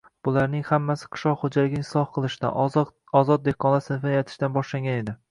Bularning hammasi qishloq xo‘jaligini isloh qilishdan, ozod dehqonlar sinfini yaratishdan boshlangan edi.